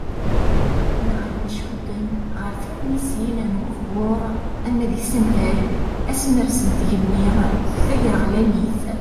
Neɣ ayen iccuden ɣer tulmisin n ugbur ama d isental, asemres n tgemmi ,tagreɣlanit.